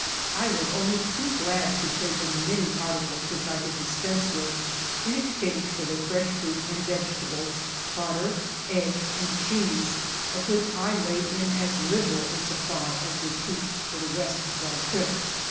I was only too glad to trade them many articles, which I could dispense with in exchange for their fresh fruit and vegetables, butter, eggs and cheese of which Idaid in as liberal a supply as would keep for the rest of our trip.